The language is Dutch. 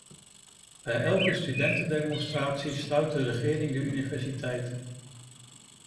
Bij elke studentendemonstratie sluit de regering de universiteit.